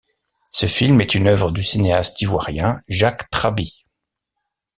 Ce film est une œuvre du cinéaste ivoirien Jacques Trabi.